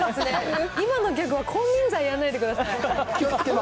今のギャグはこんりんざいやらないでください。